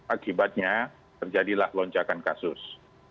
akibatnya terjadilah lonjakan kasus